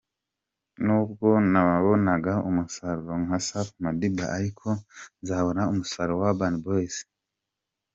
N’ubwo nabonaga umusaruro nka Safi Madiba ariko nzabone umusaruro wa Urban Boys.